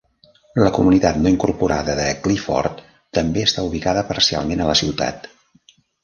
La comunitat no incorporada de Clifford també està ubicada parcialment a la ciutat.